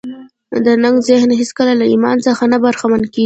تنګ ذهن هېڅکله له ايمان څخه نه برخمن کېږي.